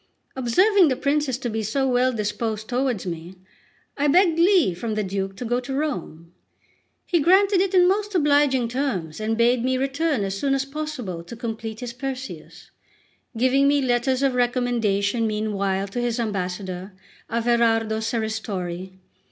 Observing the princes to be so well disposed towards me, I begged leave from the Duke to go to Rome. He granted it in most obliging terms, and bade me return as soon as possible to complete his Perseus; giving me letters of recommendation meanwhile to his ambassador, Averardo Serristori.